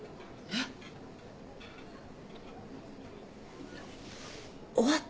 えっ？